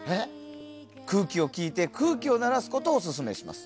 空気で聴いて空気を鳴らすことをオススメします。